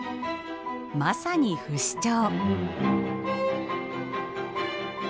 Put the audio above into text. まさに不死鳥。